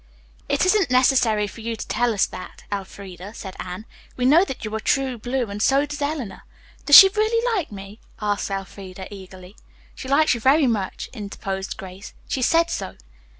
"It isn't necessary for you to tell us that, Elfreda," said Anne. "We know that you are true blue, and so does Eleanor." "Does she really like me?" asked Elfreda eagerly. "She likes you very much," interposed Grace. "She said so."